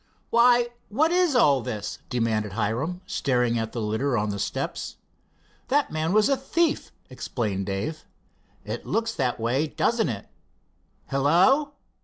"Why, what is all this?" demanded Hiram, staring at the litter on the steps. "That man was a thief," explained Dave. "It looks that way, doesn't it? Hello!"